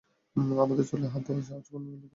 আমাদের চুলে হাত দেওয়ার সাহস কোন লোকের হলো?